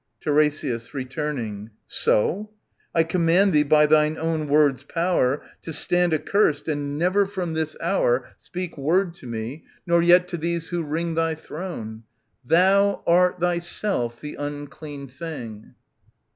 TiRESIAS {returning). So ?— I command thee by thine own word's power. To stand accurst, and never from this hour 20 ".35» 363 OEDIPUS, KING OF THEBES Speak word to me, nor yet to these who ring Thy throne. Thou art thyself the unclean thing.